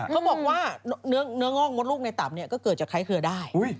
เขาบอกว่าเนื้องอกมดลูกในตับก็เกิดจากไครเกลือได้